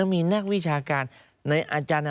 มีอาจารย์